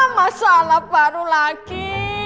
masalah baru lagi